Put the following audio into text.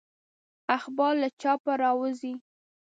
اخبار له چاپه راووزي.